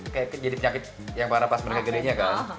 kayak jadi penyakit yang parah pas mereka gedenya kan